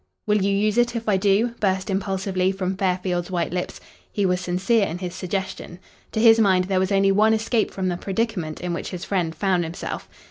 "Will you use it if I do?" burst impulsively from Fairfield's white lips. He was sincere in his suggestion. To his mind there was only one escape from the predicament in which his friend found himself.